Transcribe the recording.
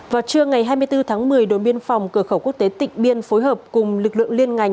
vào trưa ngày hai mươi bốn tháng một mươi đồn biên phòng cửa khẩu quốc tế tịnh biên phối hợp cùng lực lượng liên ngành